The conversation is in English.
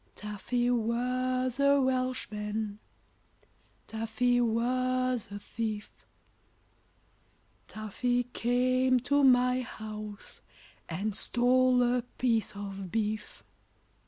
Taffy was a Welshman, Taffy was a thief; Taffy came to my house And stole a piece of beef.